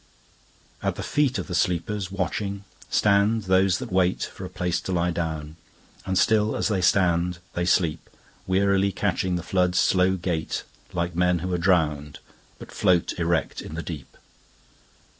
At the feet of the sleepers, watching, Stand those that waitFor a place to lie down; and still as they stand, they sleep, Wearily catchingThe flood's slow gaitLike men who are drowned, but float erect in the deep.